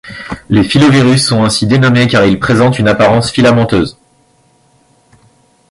Les filovirus sont ainsi dénommés car ils présentent une apparence filamenteuse.